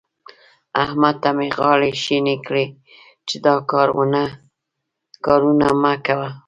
احمد ته مې غاړې شينې کړې چې دا کارونه مه کوه.